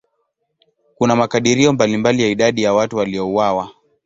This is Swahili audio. Kuna makadirio mbalimbali ya idadi ya watu waliouawa.